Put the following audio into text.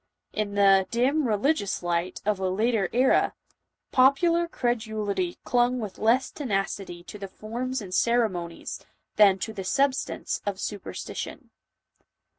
In the "dim, re ligious light" of a later era, popular credulity clung with less tenacity to the forms and ceremonies, than to the substance of superstition.